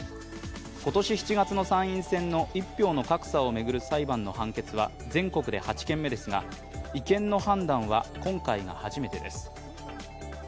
今年７月の参院選の一票の格差を巡る裁判の判決は全国で８件目ですが、違憲の判断は今回が初めてです。